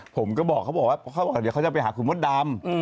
ผมก็บอกเขาบอกว่าเดี๋ยวเขาจะไปหาคุณมดดำ